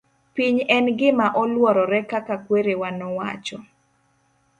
piny en gima olworore kaka kwerewa nowacho